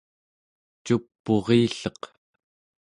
cup'urilleq